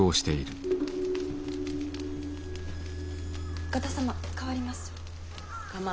お方様代わりましょう。